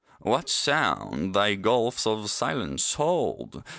What sound thy gulfs of silence hold!